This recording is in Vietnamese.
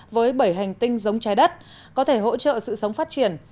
với bảy hành tinh giống trái đất có thể hỗ trợ sự sống phát triển